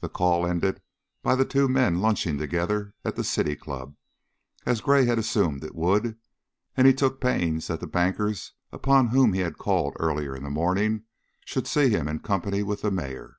The call ended by the two men lunching together at the City Club, as Gray had assumed it would, and he took pains that the bankers upon whom he had called earlier in the morning should see him in company with the mayor.